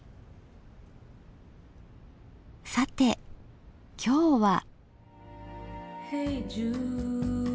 さて今日は？